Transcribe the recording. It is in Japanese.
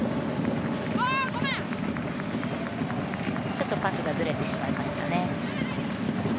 ちょっとパスがずれてしまいましたね。